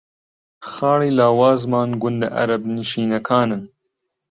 خاڵی لاوازمان گوندە عەرەبنشینەکانن